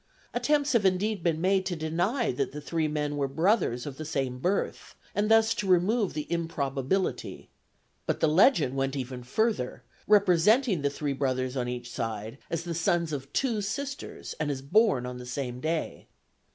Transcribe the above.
Attempts have indeed been made to deny that the three men were brothers of the same birth, and thus to remove the improbability; but the legend went even further, representing the three brothers on each side as the sons of two sisters, and as born on the same day.